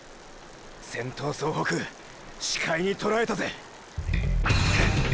先頭総北視界にとらえたぜ！！